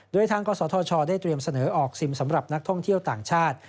โดยทางกศธชได้เตรียมเสนอออกซิมสำหรับนักท่องเที่ยวต่างชาติ